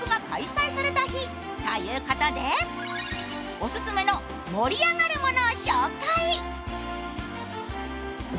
オススメの盛り上がるもの